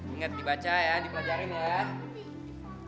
ingat dibaca ya dipelajarin ya